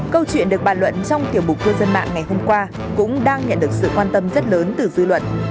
câu chuyện được bàn luận trong tiểu mục cư dân mạng ngày hôm qua cũng đang nhận được sự quan tâm rất lớn từ dư luận